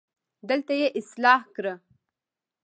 دلته يې اصلاح کړه